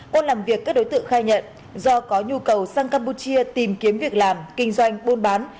qua làm việc các đối tượng khai nhận do có nhu cầu sang campuchia tìm kiếm việc làm kinh doanh buôn bán